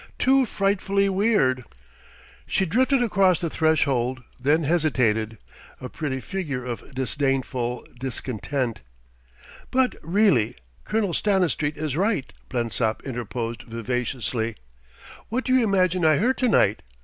"Too frightfully weird...." She drifted across the threshold, then hesitated, a pretty figure of disdainful discontent. "But really, Colonel Stanistreet is right," Blensop interposed vivaciously. "What do you imagine I heard to night?